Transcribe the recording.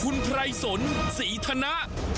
คุณไพรสนศรีธนะ